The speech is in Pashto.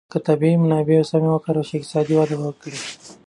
که طبیعي منابع سمې وکارول شي، اقتصاد به وده وکړي.